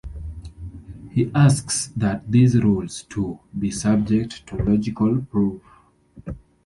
He asks that these rules, too, be subject to logical proof.